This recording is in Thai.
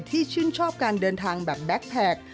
ชื่นชอบการเดินทางแบบแบ็คแพค